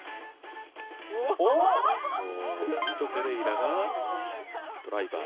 おおミト・ペレイラがドライバー。